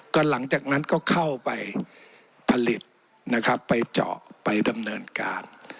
ก็หลังจากนั้นก็เข้าไปผลิตนะครับไปเจาะไปดำเนินการ